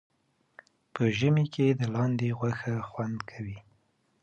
په ژمي کې د لاندي غوښه خوند کوي